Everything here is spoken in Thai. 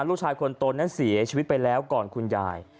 ลูกชายคนโตนั้นเสียชีวิตไปแล้วก่อนคุณยาย